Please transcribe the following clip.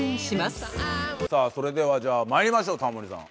さあそれではじゃあ参りましょうタモリさん。